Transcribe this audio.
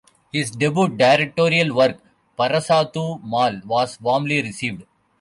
His debut directorial work "Parasathu Mal" was warmly received.